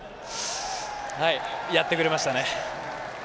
やってくれましたね。